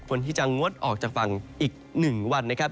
ฝนที่จะงดออกจากฝั่งอีก๑วันนะครับ